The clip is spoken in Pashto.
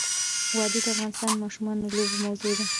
وادي د افغان ماشومانو د لوبو موضوع ده.